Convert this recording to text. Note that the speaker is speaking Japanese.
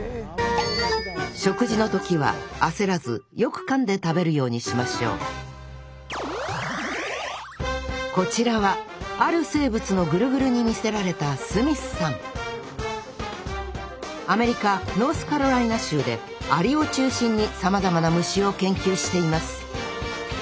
食事の時は焦らずよくかんで食べるようにしましょうこちらはある生物のぐるぐるに魅せられたアメリカ・ノースカロライナ州でアリを中心にさまざまな虫を研究しています